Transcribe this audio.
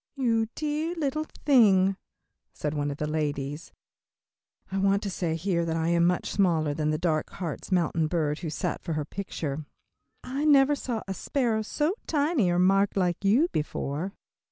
"You dear little thing," said one of the ladies I want to say here that I am much smaller than the dark Hartz Mountain bird who sat for her picture "I never saw a sparrow so tiny, or marked like you before."